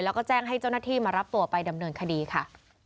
แล้วก็แจ้งให้เจ้าหน้าที่มารับตัวไปดำเนินคดีค่ะ